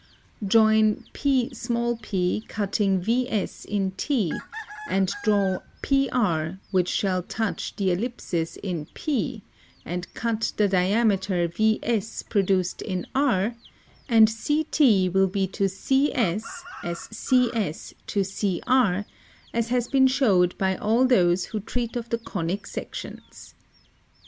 Joyn Pp cutting VS in T & draw PR which shall touch the <2v> Ellipsis in P & cut the diameter VS produced in R & CT will be to CS as CS to CR, as has been shewed by all those who treat of the Conic sections.